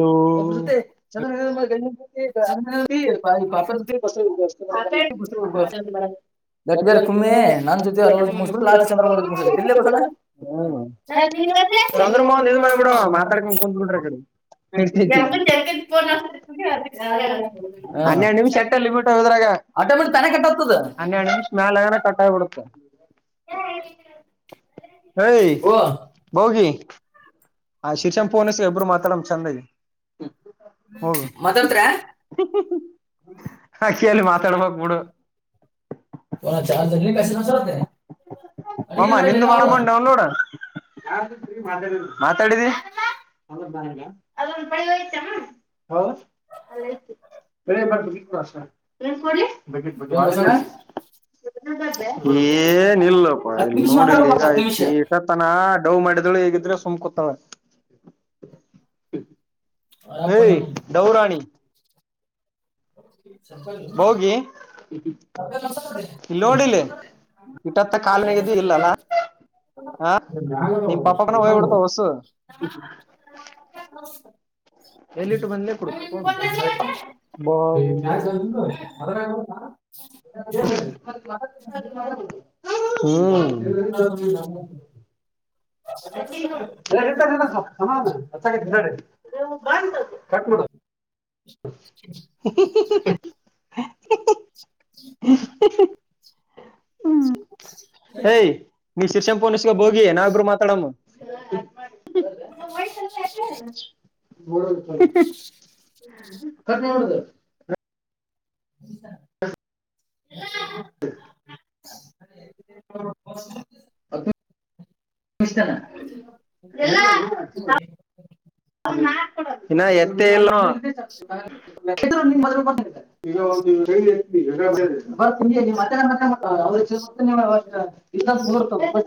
Low ಬಪ ಜ ಬ ತ ಲಟ್ಗರ್ ಕುಮ್ಮೆ ನನ್ ಜೊತೆ ಮುಕ ಲಾಚಿ ಚಂದ್ರ ಮು ದೇ ಬಸಣ ಹ್ಮ್ ತ ಚಂದ್ರಮೋಹನ್ ಇದ್ ಮಾ ಮಾಡ್ಬಿಡು ಮಾತಾಡ್ಕೊಂಡ್ ಕುಂತ್ ಬಿಡ್ರಿ ಆ ಕಡೆ ಇರ್ತೈತಿ ಚೋನ್ ಅನ್ನ ಆಿ ಸ್ಮೇಲ್ ಅನ ಕಟ್ಟಾಯ ಕೊಡ್ತ ಹ [inaudible] ಏಯ್, ಗೋಗಿ ಆ ಶಿರ್ಷಾನ ಪೋನ್ಇಸಗ ಇಬ್ಬರು ಮಾತಾಡಮ್ ಚೆಂದಾಗಿ. ಮಾತ್ಡಾತೀರ್, ಅಕ್ಕಿಯಲ್ಲಿ ಮಾತಾಡ್ಬೇಕ್ ಬಿಡು ತ ಚಾರ್ ದ [unintelligible] ನೆ [inaudible] ಮಾಮ ನಿಂದು ಮಾಡಮ್ಮನ ಡೌನ್ಲೋಡ್, ನಾನಂತು ತಿರಿಗಿ ಮಾತಾಡಿನಿ, -ಮಾತಾಡಿದಿ. [unintelligible] ಅ ಬ ಏನ್ ಬ ಬಸಣ್ಣ [inaudible] ಏನ್ಇಲ್ಲಪ್ಪ ಹತ್ತು ಇಲ್ಲಿ ನಿಮಿಷ ಮಾತಾಡ್ಬೇಕಪ್ಪ ಹತ್ತು ನಿಮಿಷ ನೋಡಿಲಿಇಟತನಾ., ಹಾ, ಡೌವ್ ಮಾಡಿದಳು ಈಗಿದ್ರ ಸುಮ್ಕೋಂತಾಳ. ಅಪ್ಪ ಏಯ್ ನಾನು ಡವ್ರಾಣಿ. ಸಂಪಸ [inaudible] ಇಲ್ಲಿ ನೋಡಿಲ್ಲಿ ಇಟ್ಟತ್ತನ ಕಾಲನಗ್ ಇದ್ ಇಲ್ಲಲ್ಲಾ. ಹಾ, ನಿಮ ಪಪ್ಪಾಬರನ ಹೋಗ್ಬಿಡ್ತಾವ ಓಸು. ಎಲ್ಲಿಟ್ಟು ಬಂದ್ಲೇ ಕೋಡಿ ಪೋನ್, ಹ [inaudible] ಏನ್ [unintelligible] ಹ್ಮ್, ಮಾಡಿದ್ರಿ ಇಟ್ಟರ ಇಡ ಸ್ವಲ್ಪ ಸಮಾಧಾನ ಅಚ್ಕತಿ ಇಂದಗಡೆ, ಕಟ್ ಮಾಡು [inaudible] ಹ್ಮ, ಏಯ್ ನೀ ಶಿರ್ಷಾಞ ಪೂನಿಸ್ಗ ಬಾ ಹೋಗಿ ನಾವಿಬ್ರು ಮಾತಾಡಮ್ಮ. [inaudible] [unintelligible] ಕಟ್ಮಾಡದು. [inaudible] [inaudible] [inaudible] ಅದು [unintelligible] ಮಷ್ಟ ಎ [unintelligible] ಇನ್ನ ಎ [unintelligible] ತ್ತ್ರ [unintelligible] ಇ ಮೂರ್ಕ [unintelligible]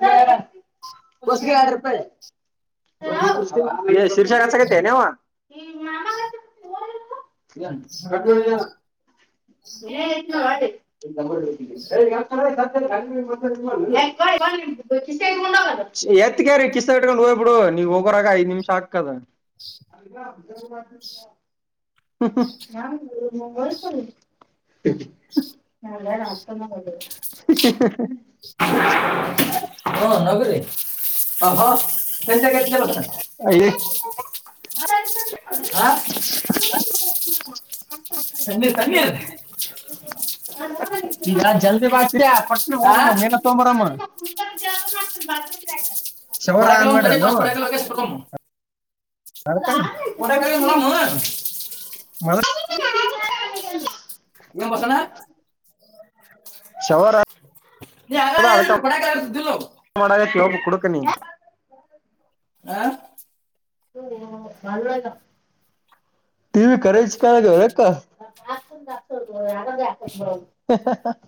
ಹೊಗ ಯಾರ ರೂಪೆ [unintelligible] ಶೀರ್ಷಗಹಚ್ಚಕತೇನ್ವ, ಕಗವಡ [unintelligible] [inaudible] ಎತ್ಕೇರಿ ಕಿಸ್ಗ ಇಟ್ಕೊಂಡು ಹೋಗ್ಬಿಡು ನೀವ ಹೋಗೋರಾಗ ಐದ್ ನಿಮಿಷ ಆಗ್ತಿದ. [unintelligible] [inaudible] ನ ಮವಾರ ಸ [unintelligible] ಹ [inaudible] ನಾಷ್ಟ [unintelligible] ಹಾ, ನಗರಿ [unintelligible] ಹ ಹೆಂತ ಕಲತ [inaudible] ತನ್ನೀರ್, ತನ್ನೀರ್ ಈಗ ಜಲ್ದಿ ಬಾಸ್ರಿ ಪಟ್ನ ಆ ಹೋಗ ಮೇನ ತೊಂಬರಮ್ಮ [unintelligible] ಶವರ ಕೊಡಕಲ್ಲ ಆರಾಮ್ [unintelligible] ಒಂದು ತಡಿ ಮಾಡ್ರನು ಫಸ್ಟ್ ಕೊಡಕಲ್ಲ ಹೋಗಿ ನೀವು ಒಡ ಕ ಹಲ ಹ [unintelligible] ಮತ್ತ [unintelligible] ಎನ್ ಬಸ್ಸಣ್ಣ ಶವರ್ ನೀ ಹಾಗಗಾದಾದ್ರ ಪಡಕಾಲಿದ್ದ [unintelligible] ಮಾಡ ಕೆೋಬು ಕುಡುಕ ನೀ ಹಾ ಟಿವಿ ಕಚ್ ಕ ಹೊರಕ್ಕ [unintelligible] ಆು ಬ ಅಾಗ [unintelligible]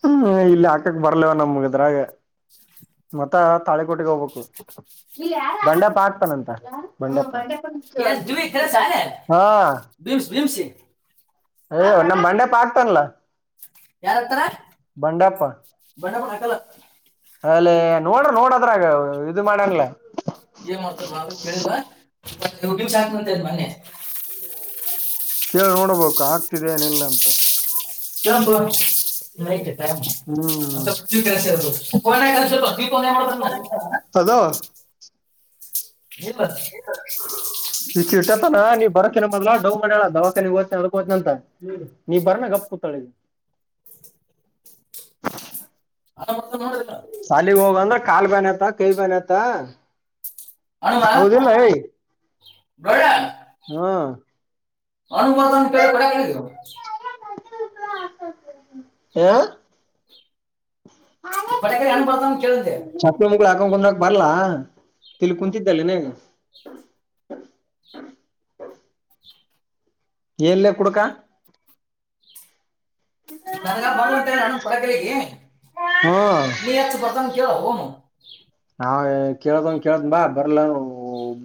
ಹ್ಮ ಇಲ್ಲಿ ಹಾಕಕ್ ಬರ್ಲವ ನಮಗದ್ರಾಗ ಮತ್ತ ತಾಳಕೋಟಿಗೆ ಹೋಗ್ಬೇಕು ಬಂಡೆಪ ಆಕ್ತಾನಂತ ಬಂಡೆ ಏನ್ ದಿವಿ ಕರೆ ಸಾಲೆ ಹಾ ಬಿಮ್ಸ್ ಬಿಮ್ಸಿ ಹ ನಮ್ಮ ಮಂಡೆ ಪಕ್ತಲ್ಲ ಯಾರ ಹತಾರ ಬಣ್ಣ ಬ ಹಾಕಲ್ಲ [unintelligible] ಅಲ್ಲೇ ನೋಡ್ರ ನೋಡದ್ರಗ ಇದು ಮಾಡಂಗಲ ಏನ್ ಮಾಡ್ತಾರ ಬ ಕೇಳಿಲ್ಲಗಿನ್ ಹಕ್ ಅಂತ ಮೊನ್ನ ಕೇಳ ನೋಡ್ಬೇಕು ಆಗ್ತಿದೆ ಏನಿಲ್ಲ ಅಂತ ಚ ಮಾಹಿತ ಕ [unintelligible] ಅ ಹ್ಮ್ ಪ್ಯು ಕೆಲ್ಸಿಯ ಕ ನ ಕ ಕೆಲ್ಸಿಯ ಪ ತ ಮಾಡತ ಅದ [unintelligible] ಈ ಇಟ್ಟತಾನ ನೀ ಬರತ್ತಿನ ಮೊದ್ಲ ಡೌ ದವಾಕ ನೀ ಹನ ಅದಕೋನ ಅಂತ ನೀವ ಬರನ ಗಪ್ ಕೂತಾಳಗ [inaudible] ಆರ ಮಾಡ್ರ [unintelligible] ಸಾಲಗ್ ಹೋಗಂದ್ರ ಕಾಲ್ ಬನ್ತ ಕಿವಿ ಬನ್ತ ಹೌದಲ್ಲ ಏಯ ಬಡನ್ ಅನುುವರ್ಧನ್ ಕೇಳಿ ಕಡ ಕೇಳಿದ್ರು ಹಾ ಪಟಕ ಹೆಣ ಬತ ಕೇಳ್ದೆ ಹಾಕೊಂಡ ಕುಂದ್ ಹಾಕ ಬರ್ಲಾ ತಿಲ್ಲಿ ಕುಂತಿದ್ದಲ್ಲಿ ಹ್ಮ ಹ್ಮ ಏನ್ಲ್ಲೇ ಕುಡ್ಕ ನನ್ಗ ಬರ್ಲಂತಲ್ಲ ನಾನ ಕೊಡಕಗ ಹ್ಮ್ ನೀ ಯಚ್ಚ ಬರ್ತನ್ ಕೇಳ ಹನು ಹಾ ಕೇೇಳತನ್ ಕೇಳತ ಬಾ ಬರ್ಲ ಬ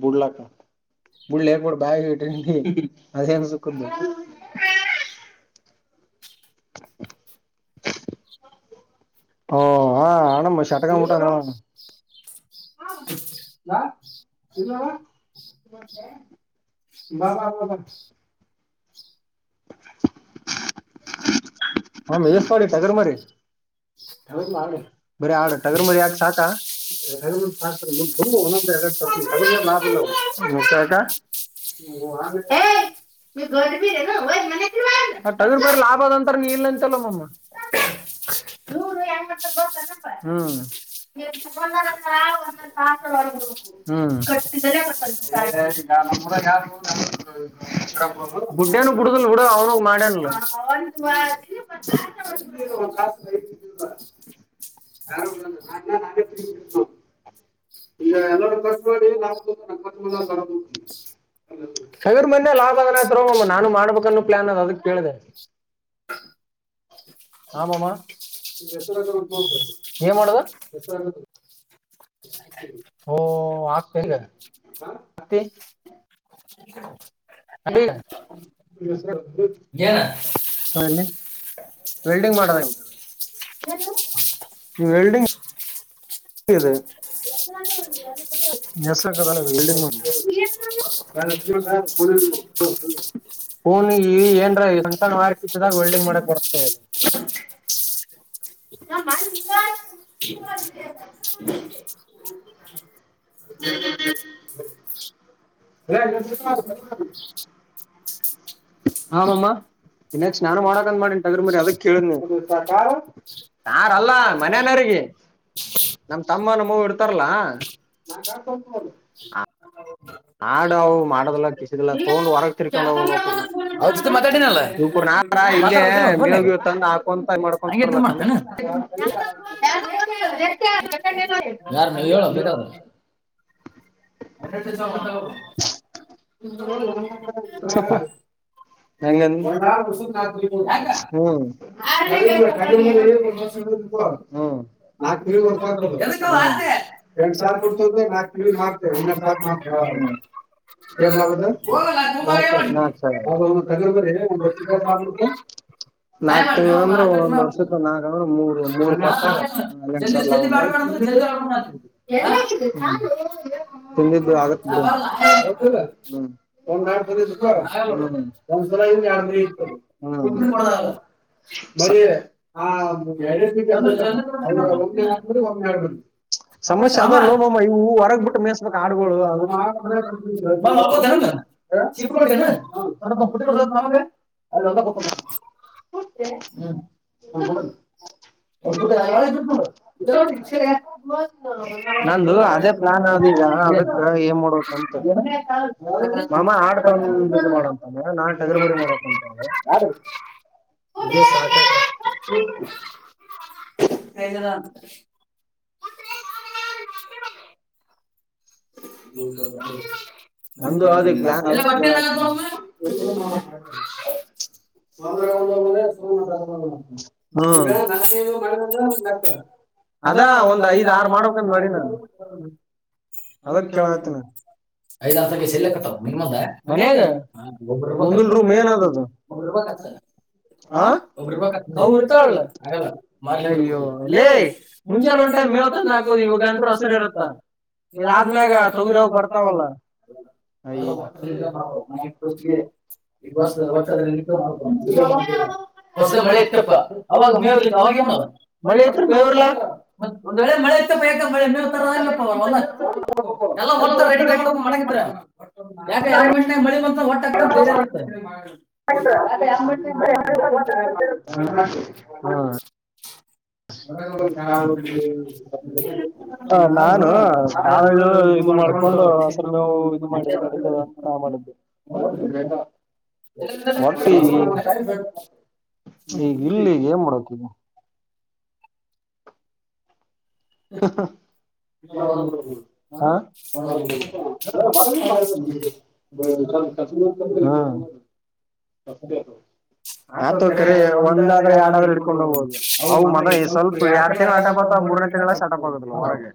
ಬಿಡ್ಲಕ್ಕ ಮುುಡ್ ಲಕೂಡ ಬ್ಯಾಗ ಹಟಿ ಅದೇನು ಸುಕ್ಕದೆ [inaudible] ಓ ಆ ಆಣ ಶಟಗಾ ಮಟ ನ [inaudible] ಬಾ ಬ ಹ ಯಸ್್ ಮಾಡಡಿ ಟಗರ್ ಮರಿ ಬ ಆ ಟಗರ್ ಮ ಯಾಕೆ ಸಾಕ [inaudible] ಗ ಮ ಲಾಭದಂತರ ನೀಲ್ಂತಲ್ಲ ಮಮ್ಮ ನೂ ಎ ಗ ಹ್ಮ ಟ್ಟ ಬುಡ್ಡನು ಬುಡುದಲ್ ಬಿಡ ಅವನು ಮಾಡಾನಲ್ಲ ಅವುಂಬ ಕರ ನಾ ನ ತಿ ಎ ಲ ಲಾ ಲಾ ಅಗರ್ ಮೊೆ ಲಾಭ ಅದನ ಆಯ್ತಮ್ಮ ನಾನು ಮಾಡ್ಬೇಕನ್ನ ಪ್ಲಾನ್ ಅದ್ ಅದಕ್ ಕೇಳಿದೆೆ [inaudible] ಆಮಾಮ ಏನ್ ಮಾಡುದ ಹ ಆಲ್ಲತ್ತ ಅ ನ ಹ ವೆಲ್ಡಿಂಗ್ ಮಾಡದಂ ನೀಲ್ಡಿಂಗ್ ಇದೆಸ ಬಿಲ್ಡಿಂಗ್ ನಡ ಹೂನ್ ಈ ಏನ್ರ ಒಣ್ಸಣ್ಣ ಮಾರ್ತಿತ್ತದಾಗ ವೆಲ್ಡಿಂಗ್ ಮಾಡಕ್ ಬರ್ತವದು ರ ಹಮ್ಮ ಇನ್ನಾಗ ಸ್ನಾನ ಮಾಡಕಂದ ಮಾಡಿಂಟ ಅದ್ರ ಮರಿ ಅದಕ್ ಕೇಳ ಯಾರಲ್ಲ ಮನನವ್ರರಿಗೆ ನಮ್ ತಮ್ಮನಗ ಇಡ್ತಾರಲ್ಲ ಹಾಡು ಅವು ಮಾಡದಾ ಕಿಸದಲ್ಲಾ ತಗೊಂಡ್ ಹೊರಗ ತಿರ್ಕೊಂಡ್ ಹೋಗ್ ನೋ ಅವ್ರ ಜೊತೆ ಮಾತಾಡಿನಲ್ಲ ಇು ನಾರ ಇಲ್ಲೇ ಮಾತಾಡ್ಬೇಕಿಲ್ಲ ಫೋನ್ಯಾಗ ಮೇಗೆವ ತಂದ ಹಾಕೊಂತ ಮಾಡ್ಕೊಂಡ ಹಂಗೆ ಇಟ್ಟಿದ್ ಬರ್ಲಕ್ಕಂದ ಮಾಡ್ತಾನ ಬ ಯಾರು ನೀವು ಹೇಳ ಬೇಕಾದ್ರೆ ಸಪ್ಪ ಹೆಂಗ ಯಾಕ ಹ್ಮ್ ನಾ ತಿಿವ ಹೊರ್ ಎದಕ್ಕಲ್ಲ ಹ ಆತೆ ಎ ಎರಡ್ ಸ ಸಾವಿರ ಕೊಡ್ತ ನಾ ಮ ಸಾ ಮಾಡತ ಹ ನಾ ನಾ ತಗಂಬ ನಾಕ್ ಮಾಡಿ ತಿಂಗಳು ನೀವು ಹೋಗಿ ಅಂದ್ರೆ ಆಟೋಕ್ಕೆ ಒಂದ್ ಮಾಡು. ವರ್ಷ ನಾಕ್ ಅಂದ್ರೆ ಮೂರು ಮೂ ಹಾ, ಜಲ್ದಿ ಜಲ್ದಿ ಬೇಡ ಬೇಡ ಅಂದ್ರೆ ಜಲ್ದಿ ಹೊರಗ್ ಮಾತಾಡಿ. ಹಾ? ತಿಂದಿದ್ದು ಆ, ಆಗತ್ತ ಬರಲ್ಲ ಆಯ್, ನ ಆಯ್ ಸಲ ಯಾರ ಮ ಇ ಬಿಡು. ಕುಟ್ಬಿಟ್ಟು ಕೊಡ್ದಾಗಲ್ಲ. ಜಲ್ದಿ- ಮರಿ ಆ ಎರಡ ಜಲ್ದಿ ಒಮ್ಮೆ ಆಬಿಡ್ರಿ ಮಾಡ್ಬೇಕು. ಒಮ್ಮೆ ಆಬಿಡ್ರಿ ಸಮಸ್ಯೆ ಶ್ರಮ. ಅದಲ್ೋಮ್ಮಮ್ಮ ಇವು ಹೊರಗ್ ಬಿಟ್ಟು ಮೇಸ್ಬೇಕಕ್ ಆಡ್ಗಳುೋ ಅದು ಬಾ, ಹೋಗ್ಬೋದೇನು? ಚಿಪ್ಪ ಚಿಪ್ಪಕಟ್ಟೆ ಕೊಡ್ತೀನ? ಸ್ವಲ್ಪ ಟ್ಟ ಕೊ ಕುಟ್ಬಿಡು ನ ಸ್ವಲ್ಪ ನಮಗೆ. ಅ ಕೊ ಹ ಅದ ಹ ನ ಅದೇ ಪ್ಲಾನ್ ಗ ಅದಕ್ಕ ಏನ್ ಮಾಡ್ಬೇಕಂತ ಮಾಮ ಆಡ್ ತಂದ್ ಮಾಡಂತಾನ ನಾನ್ ತಗರ್ಬರಿ ಮಾಡಕಂತ ಇದೇ ಸಾಕಾಯ್ತ ಹೈದ ನಂದು ಹೌ ಅದ ಎಲ್ಲ ಪ್ಲಾನ್ ಅದಕ್ ಕೇಳಾಕ್ ಹ ಪ ಅದಾ ಒಂದ್ ಐದ್ ಆರು ಮಾಡ್ಬೇಕಂದ ಮಾಡಿನು ಅದ ಕ ಐದ್ ತೆ ಸೆಲ್ಕತಾವ ನಿಂದ ಮನ್ಯಾಗ ಮ ಒ ಮುಂದಲ್ ರೂಮ್ ಏನದದು ಆ ಹ ಹರ್ಬೇಕ ಅವ್ ಇರ್ತಾಳ ನರ್ತಾವಲ್ಲ ಹಾಗಲ್ಲ ಮ ಅಯ್ಯೋ ಅಲ್ಲೇ ಲೇ ಮುಂಚೆ ಮುಂಜಾನೆ ಒಂದ್ ಟೈಮ್ ಮೇವ್ ದ ತಂದ್ ನಾದು ಹಾಕೋದು ಇವಾಗ ಅಂತ್ರ ಅಂತ ಹಸಿರು ಹಸರು ಇರುತ್ತ ಇರುತ್ತಾರ ಈ ಆದ್ಮೇಾಗ ಇದಾದ್ಮ್ಯಾಗ ತೊಗಿರ ತೊಗರಿ ಅವ್ ಬರ್ತಾವಲ್ಲ ಬ ಅಯ್ಯೋ ಬ ಬ ಹೊಸ ಮಳೆ ಇತ್ತಪ್ಪ ಅವಾಗ ಮೇವರ್ಲಿ ಅವಾಗೇ ಮಳೆ ಇ ಮೇವ ಒ ಮಳೆತ ಪಯ ಮಳೆ ಪ್ಪ ಬೇವ್ರಲ್ಲ ಎಲ್ಲ ಹೊಟ್ಟ ರೆಡಿ ಮಾಡಕ್ ಮಗಿದ್ರ ಯಾಕೆ ಅಂಬಣ ಬಳಿ ಬಟ್ಟ ಬೇರೆ ಇತ್ತ ಹಾ ಹ ನಾನು ನಾಳ ಇದು ಮಾಡ್ಕೊಂಡು ಹಸರು ನೋವು ಇದು ಮಾಡಿದ್ರ ನಡತದ ಅಂತ ನಾವು ಮಾಡಿದ್ದವಿ ಟ್ಟ ಅಲ್ಲೇ ಬ ಮಟ್ಟಿ ಒಟ್ಟು- ಈಗ ಇಲ್ಲಿ ಈಗ ಏನ್ ಮಾಡಕದು ಹ ಹಾ ಆತ ಕರೆ ಕರಿ ಒಂದಾರ ಒಂದಾದ್ರೆ ಯಾರಾದ್ರೂ ಎರಡ್ಾದ್ರೆ ಹಿಡ್ಕೊಂಡು ಇಡ್ಕೊಂಡ್ ಹೋಗ್ಬೋದು ಹೋಗಬೋದು ಅವು ಮಗ ಮದ ಈ ಸ್ವಲ್ಪ ಎರಡ್ ತಿಂಗಳ ತಿಂಗಂಳ ಆಟ ಬತ ಮೂರನ ಸಟ್ಟಾ ಬರಗೆ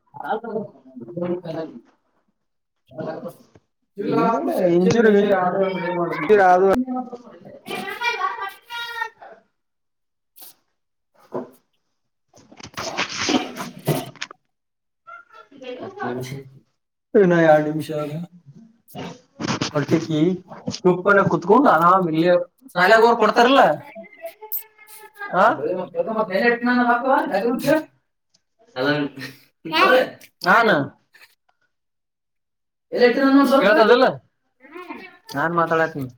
ಬ ಕ ಇಜ ಆ ಇರದು ಹ ಷ ಇನ್ನ ನ ಆ ಎರಡ್ ನಿಮಿಷ ನಿಮಿಷದ ಇದೆ. ಹೊರ್ಟಕಿ ಈ ಗುಂಪನ್ನ ಸುಪ್ಪನ ಕುತ್ಕೊಂಡು ಕುೂತ್ಕೊಂಡು ಆರಾಮ್ ಆರಾಮ ಇಲ್ಲೇ ಇಲ್ಲ ಶಾಲ್ಯಾಗ ಶಾಯಾಲೆಾಗೋರ್ ಹೋಗಿ ಕೊಡ್ತಾರಿಲ್ಲ ಕೊಡ್ತಾರಲ್ಲ ಆ? ಹ ಹಾ ನಾನು ಬಪ ಹೌದ ಆನ ಇಲೆಕ್ಟ್ರ ಇದ್ದಿಲ್ಲ? ನಾನ್ ಮಾತಾಡತನಿ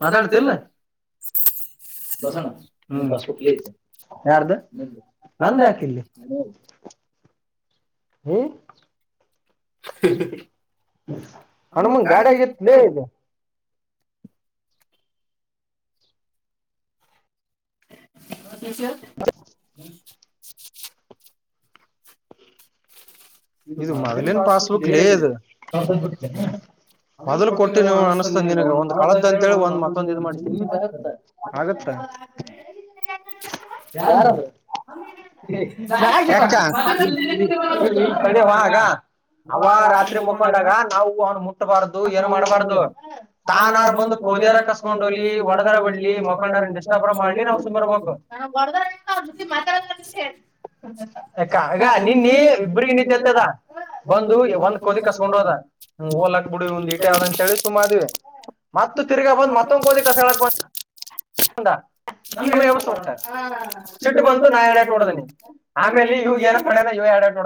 ಮಾತಾಡ್ತಿಲ್ಲ ಹ್ಮ್ ಯಾರ್ದ ಹ್ಮ ನ ನಂದ ಯಾಕಿಲ್ಲಿ ಹ್ಮ್ ಹ ಅಣ ಮಂಗ ಗಾಡ ಗಲಗ ಷ ಇದು ಮ ಮೊದಲಿನ ಪಸ್ುಕ್ ಪಾಸ್ಬುಕ್ ಅ ಮೊದ್ಲು ಕೊಟ್ಟಿ ನೀ ಅನ್ಿಸಸ್ತನ್ ನಿಿನಗ ಒಂದ್ ಸಾವಿರದ ಕಳದ ಅಂತ ಹೇಳಿ ಅಂತೇಳಿ ಒಂದ್ ಮತ್ತೊಂದ್ ಇ್ ಮಕ್ಕಳು ಮಾಡ್ತ ಆಗತ್ತ ಹ ಯಾರಾರ ನಾ ಇ ಈ ಕಡವಾ ಆಗ ಅವ ರಾತ್ರಿ ಮುಕೊಂಡಾಗ ನಾವು ಹಟ್ಟಬಾರ್ದು ಏನ್ ನಾವು ಮಾಡಬಾರ್ದು ಮಾಡೋದು ಆನ ತಾನಾರ ಬಂದು ಕೋಲ್ಯಾರ ಕೋದಿಯಾರ ಕರ್ಕೊಂಡ್ ಕಸ್ಕೊಂಡ್ ಬರ್ರಿ ಹೋಗಿ ಒಡದರ ಹೊರಗಾರ ಬಿಡ್ರಿ ಬಡ್ಲಿ ಮಕ್ಕಳ ಡಿಸ್ಟರ್ಬ್ ಾ ಮಾಡಿ ಮಾಡ್ಲಿ ನಾ್ ನಾವು ಸುಮಾರ ಬು ಕುತ್ಕೊಬೇಕು ಹಂಗ ಯಕ್ಕಗ ನೀನ್ನ ಹಂಗೆ ಇಬ್ರಿಗೆ ಇಬ್ರಗ ಮುಚ್ಚಿರ್ತದ. ತದ ಒಂದು ಬಂದು ಒಂದ್ ಕೋಳಿ ಕದಿ ಕರ್ಕೊಂಡ್ ಕಸ್ಕೊಂಡು ಹೋದ ಹೋಲಕ್ಕ ಬಿಡಿ ಒಂದ್ ಬರೋದ. ಇಟೆ ಯಾವದಂತ ಹೇಳಿ ಸುಮಾದ್ವಿ ಮತ್ತತ್ ತಿರ್ಗಾ ಬಂದ್ ಮತ್ತೊಂದ್ ಓದಿ ಕಸ ನಮ್ಗೆ ು ಹೇಳ್ಬೇಕು ವ್ಯವಸ್ೆ ಕೊಡೋಣ. ಹೋಗಟ ಸಿಟ್ಟು ಬಂತು ನಾ ಎಡಟ್ ನೋಡದನಿ ಆಮೇಲೆ ಇವು ಇವ್ರು ಏನ ಏನ್ ಪಡಣ ಇವ ಎರಡ ನೋ